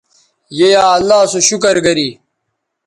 ی یا اللہ سو شکر گری